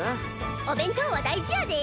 お弁当は大事やで！